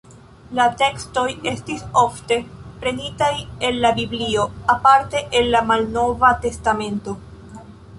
La tekstoj estis ofte prenitaj el la Biblio, aparte el la Malnova testamento.